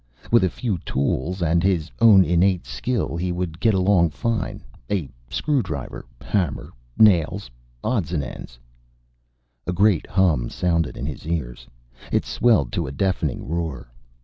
With a few tools and his own innate skill he would get along fine. A screwdriver, hammer, nails, odds and ends A great hum sounded in his ears. It swelled to a deafening roar.